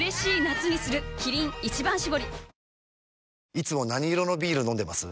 いつも何色のビール飲んでます？